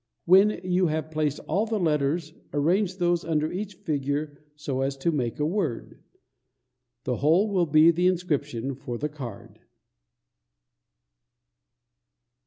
When you have placed all the letters, arrange those under each figure so as to make a word. The whole will be the inscription for the card.